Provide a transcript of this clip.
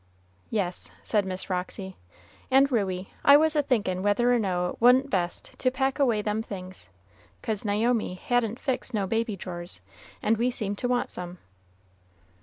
'" "Yes," said Miss Roxy; "and, Ruey, I was a thinkin' whether or no it wa'n't best to pack away them things, 'cause Naomi hadn't fixed no baby drawers, and we seem to want some."